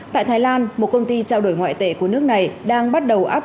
tại thái lan một công ty trao đổi ngoại tệ của nước này đang bắt đầu áp dụng